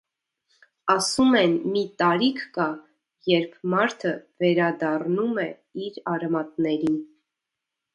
Ասում են՝ մի տարիք կա, երբ մարդը վերադառնում է իր արմատներին։